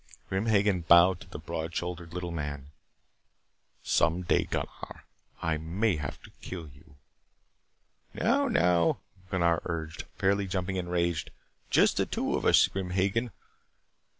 Grim Hagen bowed to the broad shouldered little man. "Some day, Gunnar, I may have to kill you " "Now. Now." Gunnar urged, fairly jumping in rage. "Just the two of us, Grim Hagen.